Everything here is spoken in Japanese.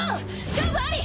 勝負あり！